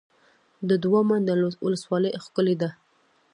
د دوه منده ولسوالۍ ښکلې ده